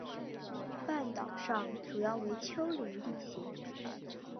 半岛上主要为丘陵地形。